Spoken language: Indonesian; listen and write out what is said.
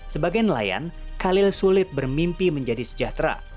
sebagai nelayan khalil sulit bermimpi menjadi sejahtera